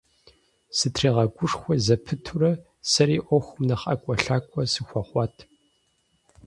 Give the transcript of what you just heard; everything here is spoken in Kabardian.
Сытригъэгушхуэ зэпытурэ, сэри Ӏуэхум нэхъ ӀэкӀуэлъакӀуэ сыхуэхъуат.